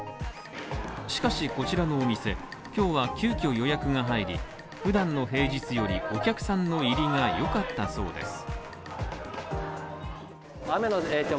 しかしこちらのお店、今日は急遽予約が入り、普段の平日よりお客さんの入りが良かったそうです。